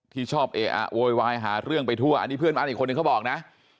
ที่ชอบเอะอะโวยวายหาเรื่องไปทั่วอันนี้เพื่อนบ้านอีกคนนึงเขาบอกนะ